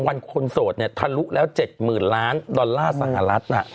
วันคนโสดเนี่ยทะลุแล้ว๗๐๐๐ล้านดอลลาร์สหรัฐ